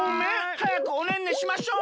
はやくおねんねしましょうね！